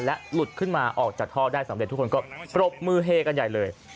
หลุดขึ้นมาออกจากท่อได้สำเร็จทุกคนก็ปรบมือเฮกันใหญ่เลย